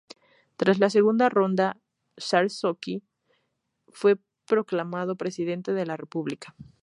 Tras la segunda ronda, Sarkozy fue proclamado Presidente de la República.